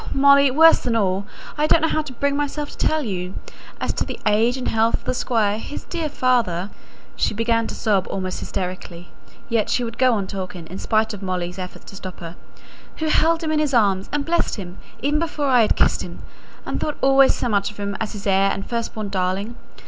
Molly, worse than all I don't know how to bring myself to tell you as to the age and health of the Squire, his dear father" (she began to sob almost hysterically; yet she would go on talking, in spite of Molly's efforts to stop her) "who held him in his arms, and blessed him, even before I had kissed him; and thought always so much of him as his heir and first born darling.